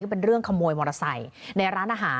เป็นเรื่องขโมยมอเตอร์ไซค์ในร้านอาหาร